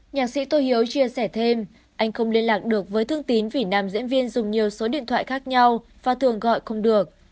nhạc sĩ tô hiếu chia sẻ thêm anh không liên lạc được với thương tín vì nam diễn viên dùng nhiều số điện thoại khác nhau và thường gọi không được